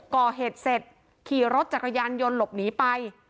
ก่อเหตุเสร็จขี่รถจักรยานยนต์หลบหนีไป